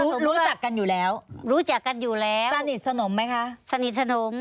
รู้จักกันอยู่แล้วรู้จักกันอยู่แล้วสนิทสนมไหมคะสนิทสนม